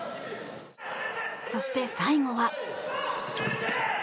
そして、最後は。